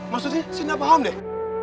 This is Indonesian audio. maksudnya saya tidak paham deh